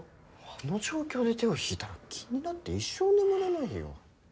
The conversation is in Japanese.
あの状況で手を引いたら気になって一生眠れないよ。